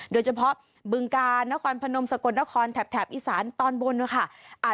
บึงกาลนครพนมสกลนครแถบอีสานตอนบนนะคะ